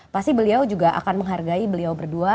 pasti beliau juga akan menghargai beliau berdua